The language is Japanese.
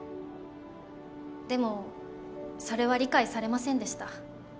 でもそれは理解されませんでした。